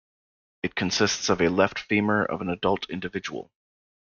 It consists of a left femur of an adult individual.